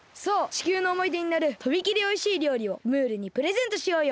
地球のおもいでになるとびきりおいしいりょうりをムールにプレゼントしようよ。